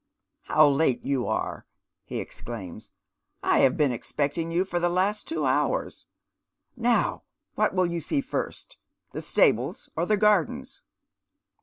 " How late you are !" he exclaims. " I have been expecting you for the last two hours. Now what will you see first ?— the stables or the gardens